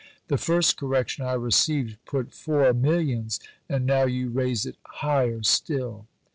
The first correction I received put four millions and now you raise it higher still.